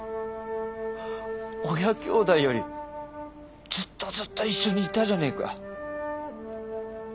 親兄弟よりずっとずっと一緒にいたじゃねえか。